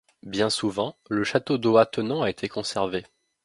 Bien souvent, le château d'eau attenant a été conservé.